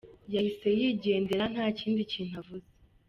Yahise yigendera nta kindi kintu avuze.